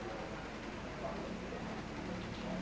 kita mau ngelak pun nggak bisa